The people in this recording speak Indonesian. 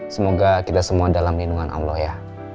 semoga kita semua dalam lindungan allah ya